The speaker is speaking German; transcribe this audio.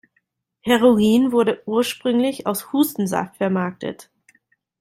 Heroin wurde ursprünglich als Hustensaft vermarktet.